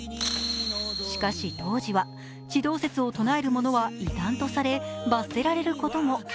しかし、当時は地動説を唱える者は異端とされ罰せられることも。